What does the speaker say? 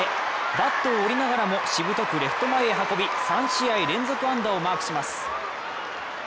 バットを折りながらもしぶとくレフト前へ運び、３試合連続安打をマークします。